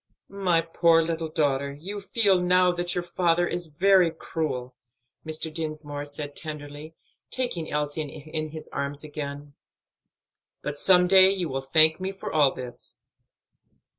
"My poor little daughter, you feel now that your father is very cruel," Mr. Dinsmore said tenderly, taking Elsie in his arms again, "but some day you will thank me for all this."